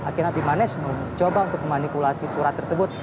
akhirnya bimanesh mencoba untuk memanipulasi surat tersebut